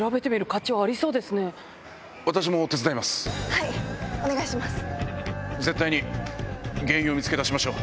はいお願いします。